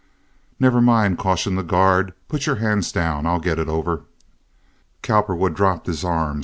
"Never mind," cautioned the guard, "put your hands down. I'll get it over." Cowperwood dropped his arms.